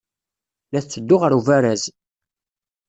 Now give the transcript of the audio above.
La tetteddu ɣer ubaraz.